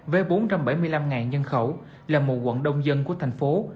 với bốn trăm bảy mươi năm nhân khẩu là một quận đông dân của thành phố